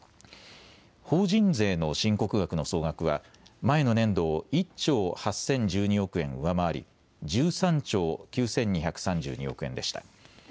法人税の申告額の総額は前の年度を１兆８０１２億円上回り１３兆９２３２億円でした。